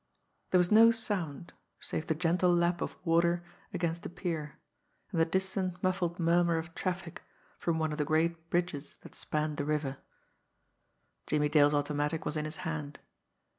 There was no sound, save the gentle lap of water against the pier, and the distant, muffled murmur of traffic from one of the great bridges that spanned the river. Jimmie Dale's automatic was in his hand.